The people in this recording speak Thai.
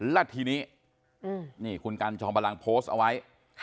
และทีนี้คุณกัลช่องพลังโพสเอาไว้